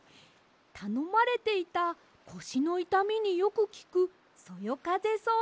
たのまれていたこしのいたみによくきくそよかぜそうのしっぷです。